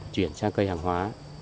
chuyển sang cây hàng hóa